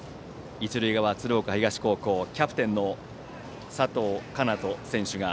一塁側、鶴岡東高校キャプテンの佐藤叶人選手。